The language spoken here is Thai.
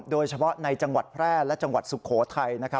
โดยเฉพาะในจังหวัดแพร่และจังหวัดสุโขทัย